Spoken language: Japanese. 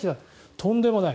とんでもない。